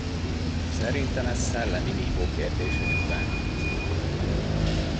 Szerintem ez szellemi nívó kérdése csupán.